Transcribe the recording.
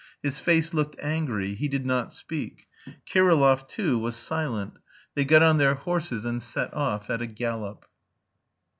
His face looked angry; he did not speak. Kirillov, too, was silent. They got on their horses and set off at a gallop.